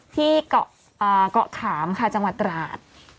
ที่เกาะเกาะขามค่ะจังหวัดตราด